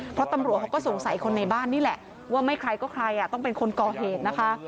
เพราะตำรวจเขาก็สงสัยคนในบ้านนี่แหละว่าไม่ใครก็ใครต้องเป็นคนก่อเหตุนะคะ